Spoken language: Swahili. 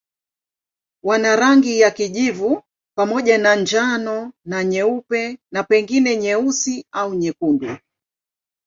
Wana rangi ya kijivu pamoja na njano na nyeupe na pengine nyeusi au nyekundu.